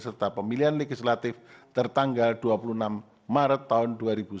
serta pemilihan legislatif tertanggal dua puluh enam maret tahun dua ribu sembilan belas